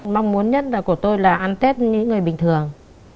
mong muốn nhất của tôi là ăn tết như người bình thường